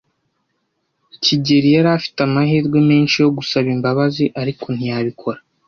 kigeli yari afite amahirwe menshi yo gusaba imbabazi, ariko ntiyabikora.